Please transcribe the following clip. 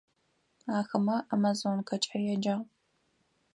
Ахэмэ «Амазонкэкӏэ» яджагъ.